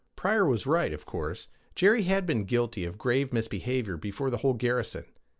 Pryor was right, of course: Jerry had been guilty of grave misbehavior before the whole garrison.